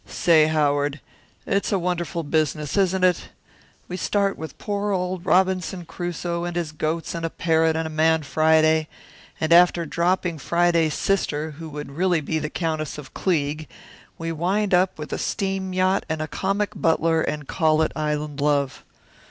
"Say, Howard, it's a wonderful business, isn't it? We start with poor old Robinson Crusoe and his goats and parrot and man Friday, and after dropping Friday's sister who would really be the Countess of Kleig, we wind up with a steam yacht and a comic butler and call it Island Love.